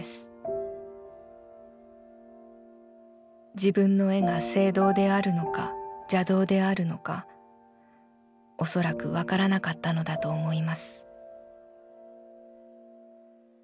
自分の絵が正道であるのか邪道であるのかおそらくわからなかったのだと思います」。